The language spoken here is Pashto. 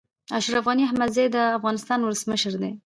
اشرف غني احمدزی د افغانستان ولسمشر دی